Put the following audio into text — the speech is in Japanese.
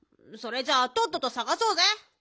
それじゃあとっととさがそうぜ。